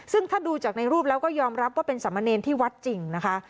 ซึ่งถ้าดูจากในรูปแล้วก็ยอมรับว่าเป็นสามเณรที่วัดจริงนะคะ